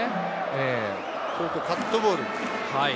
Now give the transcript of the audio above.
それとカットボール。